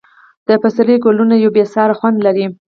د پسرلي ګلونه یو بې ساری خوند لري.